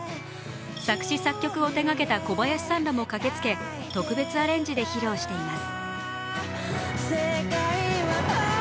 作詞・作曲を手がけた小林さんらも駆けつけ特別アレンジで披露しています。